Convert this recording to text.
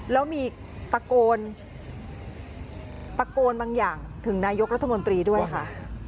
แล้วมีตะโกนตะโกนบางอย่างถึงนายกรัฐมนตรีด้วยค่ะ